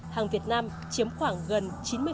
hàng việt nam chiếm khoảng gần chín mươi